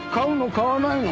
買わないの？